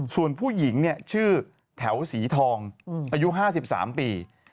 ส่วนผู้หญิงชื่อแถวสีทองอายุ๕๓ปี